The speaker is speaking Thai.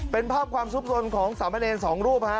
เป็นภาพความซุปรนของสามเณรสองรูปฮะ